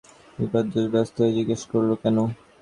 বিপ্রদাস ব্যস্ত হয়ে জিজ্ঞাসা করল, কেন?